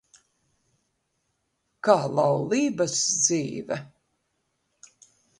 Kā laulības dzīve?